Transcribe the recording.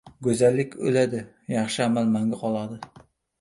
• Go‘zallik o‘ladi, yaxshi amal mangu qoladi.